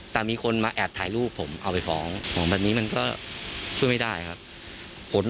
แต่มีคนมาแอบถ่ายรูปผมเอาไปฟ้องของแบบนี้มันก็ช่วยไม่ได้ครับ